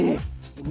jangan kamu kecil